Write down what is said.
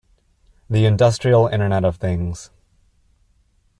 The industrial internet of things.